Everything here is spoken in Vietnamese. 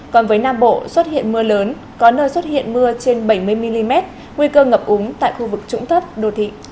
còn với nam bộ xuất hiện mưa lớn có nơi xuất hiện mưa trên bảy mươi mm nguy cơ ngập úng tại khu vực trũng thấp đô thị